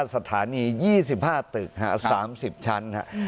๒๕สถานี๒๕ตึก๓๐ชั้นครับ